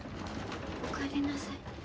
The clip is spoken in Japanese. おかえりなさい。